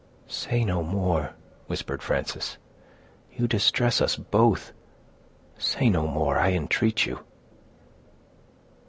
"Say no more," whispered Frances; "you distress us both—say no more, I entreat you."